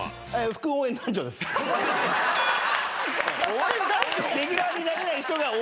応援団長？